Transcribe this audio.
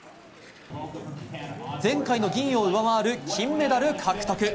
前回の銀を上回る金メダル獲得。